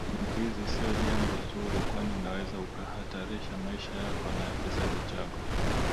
ukimbizi sio jambo zuri kwani unaweza ukahatarisha maisha yako na ya kizazi chako